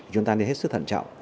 chúng ta nên hết sức thận trọng